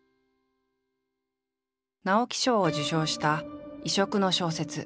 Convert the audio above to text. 直木賞を受賞した異色の小説